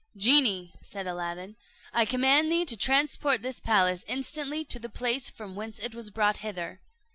"Genie," said Aladdin, "I command thee to transport this palace instantly to the place from whence it was brought hither."